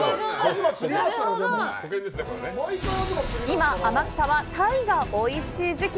今、天草は鯛がおいしい時期。